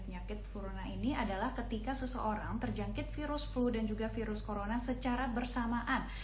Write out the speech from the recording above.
penyakit flurona ini adalah ketika seseorang terjangkit virus flu dan juga virus corona secara bersamaan